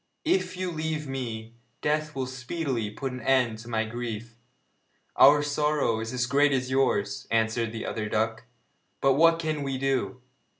If you leave me, death will speedily put an end to my grief.' 'Our sorrow is as great as yours,' answered the other duck, 'but what can we do?